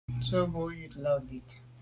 Tshu bo ywit là bit.